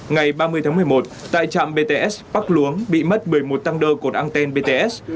ngày ba mươi tháng một mươi một tại trạm bts park luống bị mất một mươi một tăng đơ cột anten bts